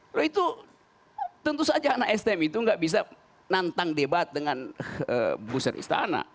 kalau itu tentu saja anak stm itu nggak bisa nantang debat dengan booster istana